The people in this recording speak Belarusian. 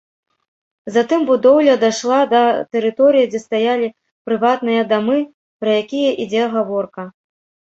Затым будоўля дайшла да тэрыторыі, дзе стаялі прыватныя дамы, пра якія ідзе гаворка.